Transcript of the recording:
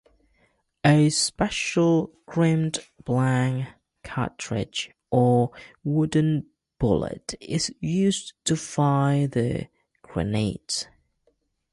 A special crimped blank cartridge or wooden bullet is used to fire the grenades.